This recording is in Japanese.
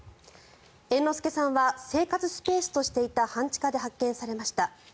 猿之助さんは生活スペースとしていた半地下で発見されました。